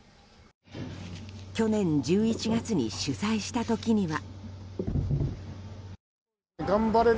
去年１１月に取材した時には。